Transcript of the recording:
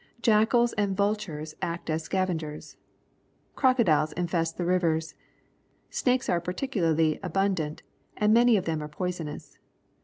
Jackals and vul tures act as scavengers. Crocodiles infest the rivers. Snakes are particularly abundant, and many of them are poisonous.